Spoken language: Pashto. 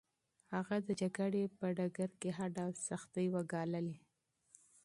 هغه د جګړې په میدان کې هر ډول سختۍ وګاللې.